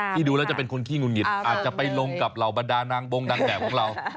ดูแล้วจะเป็นคนขี้งุดหงิดอาจจะไปลงกับเหล่าบรรดานางบงนางแบบของเรา